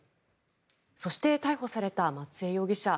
そして逮捕された松江容疑者。